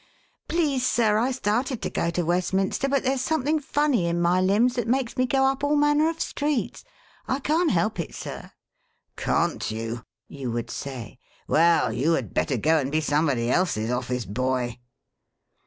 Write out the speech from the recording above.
'Please, sir, I started to go to Westminster, but there's something funny in my limbs that makes me go up all manner of streets. I can't help it, sir!' 'Can't you?' you would say. 'Well, you had better go and be somebody else's office boy.'